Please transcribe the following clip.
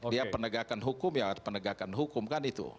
dia penegakan hukum ya penegakan hukum kan itu